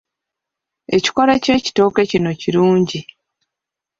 Ekikolo ky'ekitooke kino kirungi.